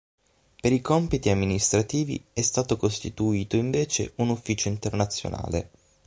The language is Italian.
Per i compiti amministrativi è stato costituito invece un Ufficio internazionale.